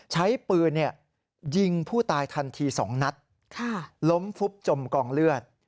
ใช้ปืนยิงผู้ตายทันที๒นัดล้มฟุบจมกองเลือด